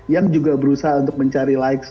yang juga berusaha untuk mencari likes